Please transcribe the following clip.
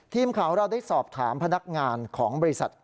ทีมข่าวเราได้สอบถามพนักงานของบริษัท